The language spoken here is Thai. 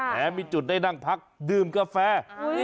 และมีจุดได้นั่งพักดื่มกาแฟ